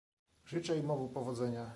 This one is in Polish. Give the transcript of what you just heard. Życzę im obu powodzenia